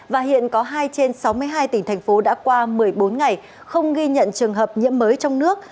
và hiện có hai trên sáu mươi hai tỉnh thành phố đã qua một mươi bốn ngày không ghi nhận trường hợp nhiễm mới trong nước